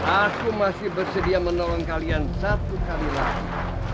aku masih bersedia menolong kalian satu kali lagi